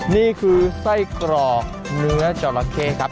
นี่คือไส้กรอกเนื้อจราเข้ครับ